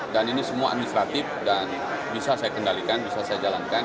dan ini semua administratif dan bisa saya kendalikan bisa saya jalankan